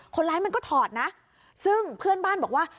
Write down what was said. คนร้ายมันก็ถอดนะซึ่งเพื่อนบ้านบอกว่า